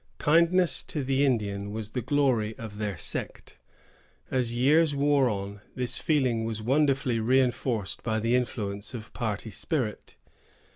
Kindness to the Indian was the glory of their sect. As years wore on, this feeling was wonderfully reënforced by the influence of party spirit.